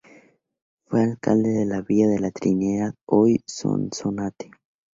Fue alcalde de la villa de la Trinidad hoy Sonsonate.